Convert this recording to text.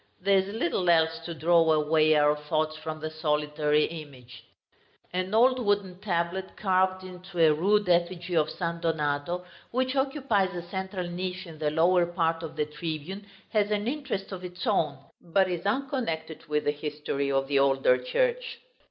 There is little else to draw away our thoughts from the solitary image. An old wooden tablet, carved into a rude effigy of San Donato, which occupies the central niche in the lower part of the tribune, has an interest of its own, but is unconnected with the history of the older church.